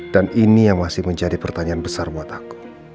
dan ini yang masih menjadi pertanyaan besar buat aku